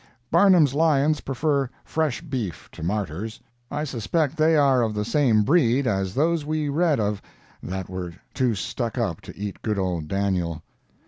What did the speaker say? Barnum's lions prefer fresh beef to martyrs. I suspect they are of the same breed as those we read of that were too stuck up to eat good old Daniel.